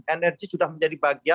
energi sudah menjadi bagian